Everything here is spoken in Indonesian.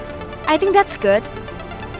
gue bisa manfaatin kesalahpahaman pangeran sama nel